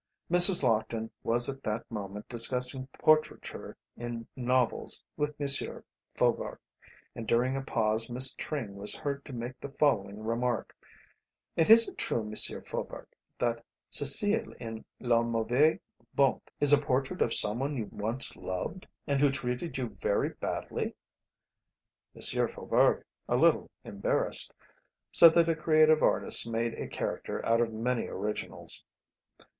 Mrs. Lockton was at that moment discussing portraiture in novels with M. Faubourg, and during a pause Miss Tring was heard to make the following remark: "And is it true M. Faubourg, that 'Cecile' in 'La Mauvaise Bonte' is a portrait of some one you once loved and who treated you very badly?" M. Faubourg, a little embarrassed, said that a creative artist made a character out of many originals.